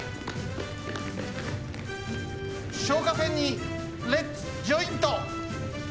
消火栓にレッツジョイント！